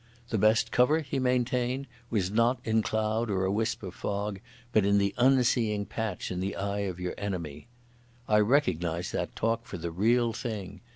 The best cover, he maintained, was not in cloud or a wisp of fog, but in the unseeing patch in the eye of your enemy. I recognised that talk for the real thing.